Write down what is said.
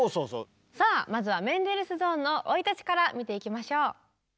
さあまずはメンデルスゾーンの生い立ちから見ていきましょう。